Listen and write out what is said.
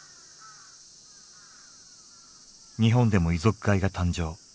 日本でも遺族会が誕生。